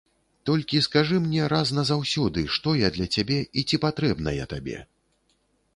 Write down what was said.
Толькі скажы мне раз назаўсёды, што я для цябе і ці патрэбна я табе.